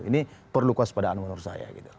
ini perlu kewaspadaan menurut saya